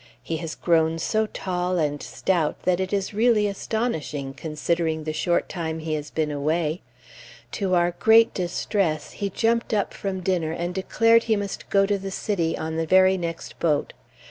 He has grown so tall, and stout, that it is really astonishing, considering the short time he has been away.... To our great distress, he jumped up from dinner, and declared he must go to the city on the very next boat.